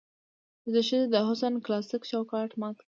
چې د ښځې د حسن کلاسيک چوکاټ مات کړي